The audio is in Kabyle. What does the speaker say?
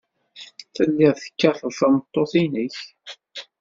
Telliḍ tekkateḍ tameṭṭut-nnek.